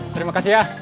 terima kasih ya